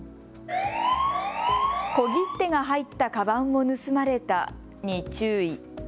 小切手が入ったかばんを盗まれたに注意。